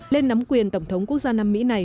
lên nắm quyền tổng thống quốc gia nam mỹ này